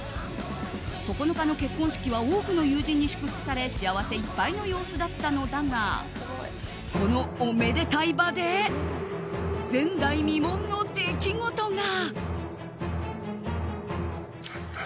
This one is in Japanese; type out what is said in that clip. ９日の結婚式は多くの友人に祝福され幸せいっぱいの様子だったのだがこのおめでたい場で前代未聞の出来事が。